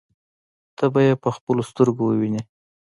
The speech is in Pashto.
ته به يې په خپلو سترګو ووینې.